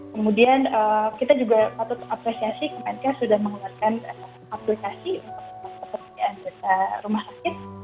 kemudian kita juga patut apresiasi kemenkes sudah mengeluarkan aplikasi untuk kepergian rumah sakit